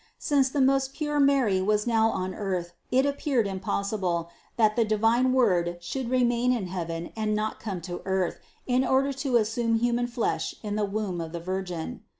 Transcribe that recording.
Since the most pure Mary was now on earth it appeared impossible, that the divine Word should remain in heaven and not come to earth in order to assume human flesh in the womb of the Virgin.